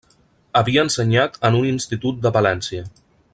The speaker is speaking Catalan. Havia ensenyat en un institut de València.